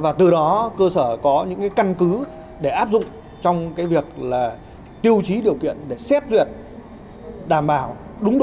và từ đó cơ sở có những căn cứ để áp dụng trong việc tiêu chí điều kiện để xét duyệt đảm bảo đúng đối tượng